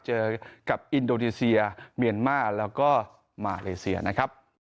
เจอกับอินโดนีเซียเมียนมาแล้วก็มาเลเซียนะครับ